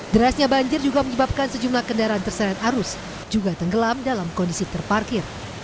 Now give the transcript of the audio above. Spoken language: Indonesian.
derasnya banjir juga menyebabkan sejumlah kendaraan terseret arus juga tenggelam dalam kondisi terparkir